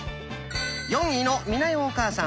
４位の美奈代お母さん